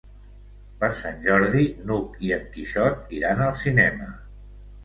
Per Sant Jordi n'Hug i en Quixot iran al cinema.